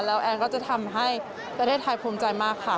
แล้วแอนก็จะทำให้ประเทศไทยภูมิใจมากค่ะ